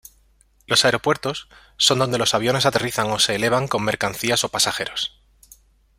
Los aeropuertos son donde los aviones aterrizan o se elevan con mercancías o pasajeros.